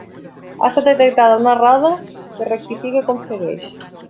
Ha estat detectada una errada que es rectifica com segueix.